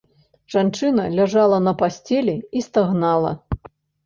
Жанчына ляжала на пасцелі і стагнала.